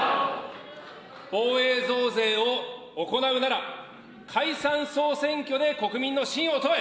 防衛増税を行うなら、解散・総選挙で国民の信を問え。